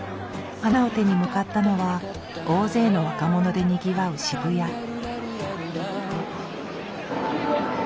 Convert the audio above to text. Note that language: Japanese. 花を手に向かったのは大勢の若者でにぎわう渋谷。